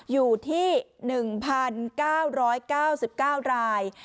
อยู่ที่๑๙๙๙ราย